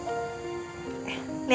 seseorang yang ditinggalkan aja